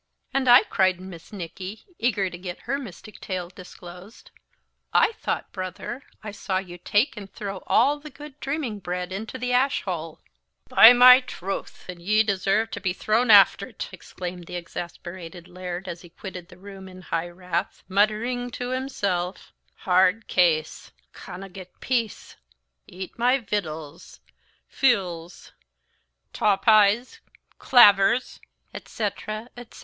"And I," cried Miss Nicky, eager to get her mystic tale disclosed, "I thought, brother, I saw you take and throw all the good dreaming bread into the ash hole." "By my troth, an' ye deserve to be thrown after't!" exclaimed the exasperated Laird, as he quitted the room in high wrath, muttering to himself, "Hard case canna get peace eat my vittals fules tawpies clavers!" etc. etc.